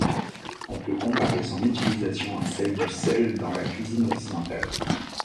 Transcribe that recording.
On peut comparer son utilisation à celle du sel dans la cuisine occidentale.